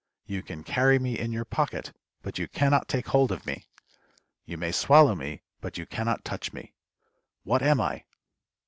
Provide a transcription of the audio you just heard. You can carry me in your pocket, but you can not take hold of me. You may swallow me, but you can not touch me. What am I?